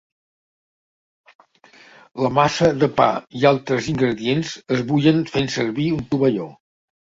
La massa de pa i altres ingredients es bullen fent servir un tovalló.